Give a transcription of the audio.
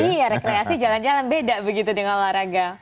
iya rekreasi jalan jalan beda begitu dengan olahraga